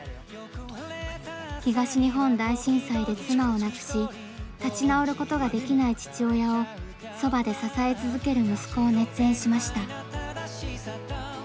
東日本大震災で妻を亡くし立ち直ることができない父親をそばで支え続ける息子を熱演しました。